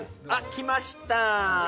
来ました？